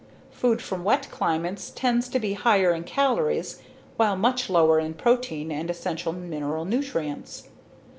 Food from wet climates tends to be higher in calories while much lower in protein and essential mineral nutrients.